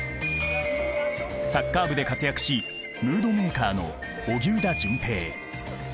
サッカー部で活躍しムードメーカーの荻生田隼平。